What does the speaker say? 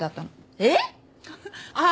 えっ！？